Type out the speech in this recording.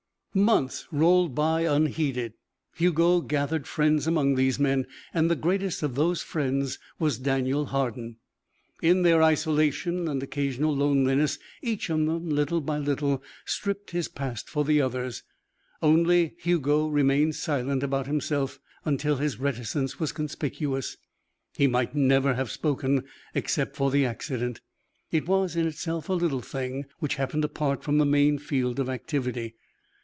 Months rolled by unheeded; Hugo gathered friends among these men and the greatest of those friends was Daniel Hardin. In their isolation and occasional loneliness each of them little by little stripped his past for the others. Only Hugo remained silent about himself until his reticence was conspicuous. He might never have spoken, except for the accident. It was, in itself, a little thing, which happened apart from the main field of activity.